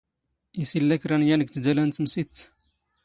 ⵉⵙ ⵉⵍⵍⴰ ⴽⵔⴰ ⵏ ⵢⴰⵏ ⴳ ⵜⴷⴰⵍⴰ ⵏ ⵜⵎⵙⵉⴷⵜ?